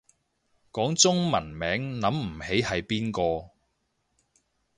講中文名諗唔起係邊個